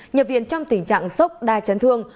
nhập viện trong tình trạng sốc đa chấn thương